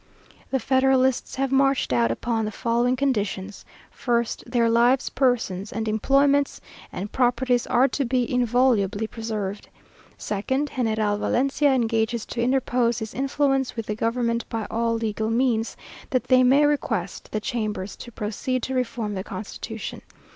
The Federalists have marched out upon the following conditions: 1st, Their lives, persons, and employments, and properties are to be inviolably preserved. 2nd, General Valencia engages to interpose his influence with the government by all legal means, that they may request the chambers to proceed to reform the constitution.